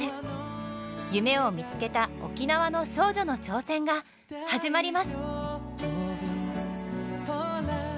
夢を見つけた沖縄の少女の挑戦が始まります！